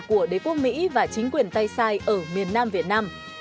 của đế quốc mỹ và chính quyền tây sai ở miền nam việt nam